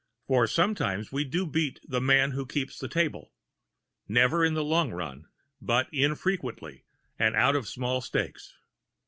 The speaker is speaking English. For sometimes we do beat "the man who keeps the table" never in the long run, but infrequently and out of small stakes.